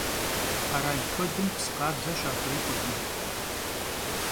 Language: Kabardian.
Kheral kuedım psı khabze şaxurikhurkhım.